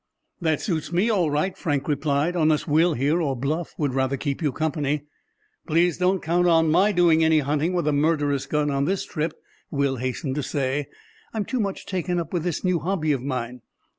"That suits me all right," Frank replied, "unless Will here, or Bluff, would rather keep you company." "Please don't count on my doing any hunting with a murderous gun on this trip," Will hastened to say. "I'm too much taken up with this new hobby of mine.